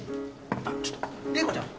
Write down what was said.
あっちょっと麗子ちゃん！？